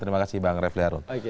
terima kasih bang refli harun